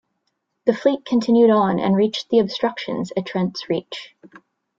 The fleet continued on and reached the obstructions at Trent's Reach.